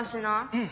うん。